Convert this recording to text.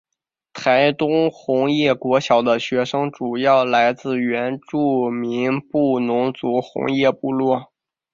台东红叶国小的学生主要来自原住民布农族红叶部落。